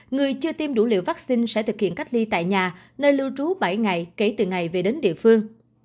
người chưa tiêm đủ liều vaccine sẽ thực hiện cách ly tại nhà nơi lưu trú bảy ngày kể từ ngày về đến địa phương